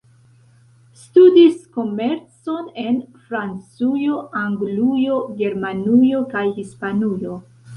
Studis komercon en Francujo, Anglujo, Germanujo kaj Hispanujo.